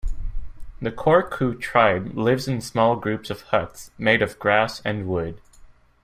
The Korku tribe lives in small groups of huts made of grass and wood.